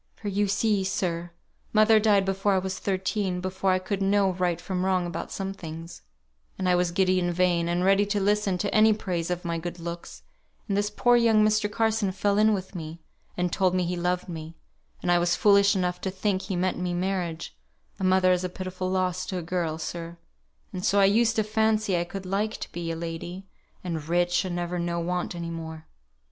For you see, sir, mother died before I was thirteen, before I could know right from wrong about some things; and I was giddy and vain, and ready to listen to any praise of my good looks; and this poor young Mr. Carson fell in with me, and told me he loved me; and I was foolish enough to think he meant me marriage: a mother is a pitiful loss to a girl, sir; and so I used to fancy I could like to be a lady, and rich, and never know want any more.